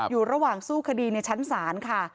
อยู่ระหว่างสู้คดีในชั้นศาลค่ะ